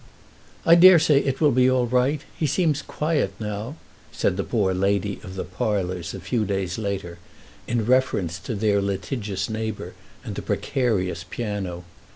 "I DARESAY it will be all right; he seems quiet now," said the poor lady of the "parlours" a few days later, in reference to their litigious neighbour and the precarious piano.